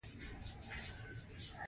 دا کار په ازاد بازار کې ترسره کیږي.